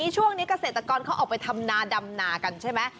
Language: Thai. ช่วงนี้เกษตรกรเขาออกไปทำนาดำนากันใช่ไหม